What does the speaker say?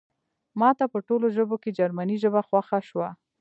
ماته په ټولو ژبو کې جرمني ژبه خوښه شوه